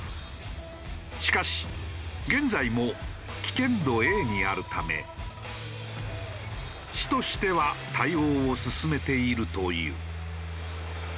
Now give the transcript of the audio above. しかし現在も危険度Ａにあるため市としては対応を進めているという。